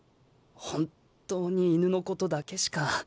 ほんっとに犬のことだけしか。